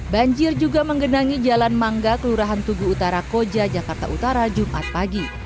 banjir juga menggenangi jalan mangga kelurahan tugu utara koja jakarta utara jumat pagi